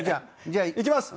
じゃあ。いきます。